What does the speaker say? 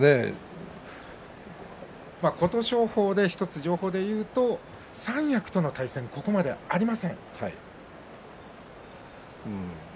琴勝峰、１つ情報で言いますと三役との対戦はここまでありません。